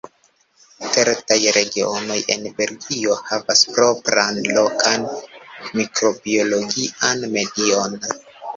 Certaj regionoj en Belgio havas propran, lokan mikrobiologian medion.